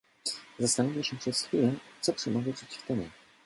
"Zastanówmy się przez chwilę, co przemawia przeciw temu."